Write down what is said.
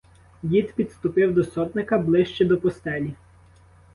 Дід підступив до сотника ближче до постелі.